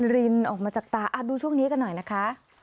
รินออกมาจากตาดูช่วงนี้กันหน่อยนะคะ